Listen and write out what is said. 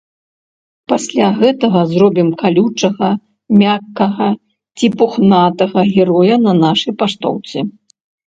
Пасля гэтага зробім калючага, мяккага ці пухнатага героя на нашай паштоўцы.